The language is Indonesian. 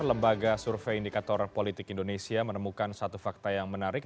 lembaga survei indikator politik indonesia menemukan satu fakta yang menarik